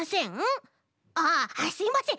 あっすいません！